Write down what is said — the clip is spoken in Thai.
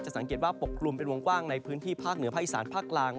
สังเกตว่าปกกลุ่มเป็นวงกว้างในพื้นที่ภาคเหนือภาคอีสานภาคกลาง